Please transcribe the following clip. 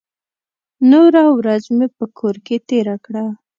نوره ورځ مې په کور کې تېره کړه.